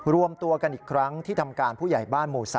รวมตัวกันอีกครั้งที่ทำการผู้ใหญ่บ้านหมู่๓